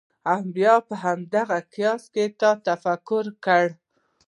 او بیا پر همدې قیاس تا تکفیر کړي.